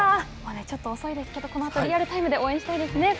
ちょっと遅いですけど、このあと、リアルタイムで応援したいですね。